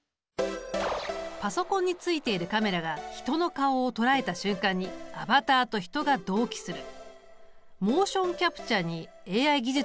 パソコンについているカメラが人の顔を捉えた瞬間にアバターと人が同期する。